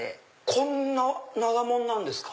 こんな長もんなんですか。